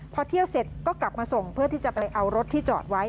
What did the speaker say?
พอเที่ยวเสร็จก็กลับมาส่งเพื่อที่จะไปเอารถที่จอดไว้